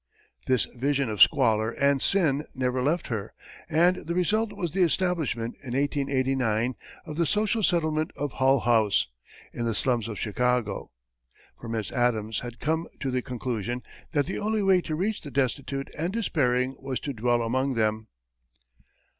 This vision of squalor and sin never left her, and the result was the establishment, in 1889, of the Social Settlement of Hull House, in the slums of Chicago. For Miss Addams had come to the conclusion that the only way to reach the destitute and despairing was to dwell among them.